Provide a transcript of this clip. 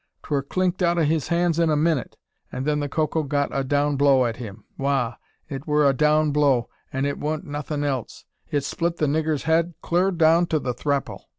'Twur clinked out o' his hands in a minnit, an' then the Coco got a down blow at him. Wagh! it wur a down blow, an' it wa'n't nuthin' else. It split the niggur's head clur down to the thrapple.